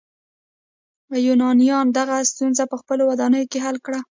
یونانیانو دغه ستونزه په خپلو ودانیو کې حل کړه.